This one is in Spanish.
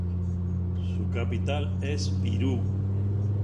Su capital es Virú.